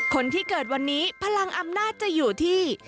คนที่เกิดวันนี้พลังอำนาจจะอยู่ที่